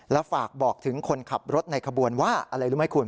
แล้วฝากบอกถึงคนขับรถในขบวนว่าอะไรรู้ไหมคุณ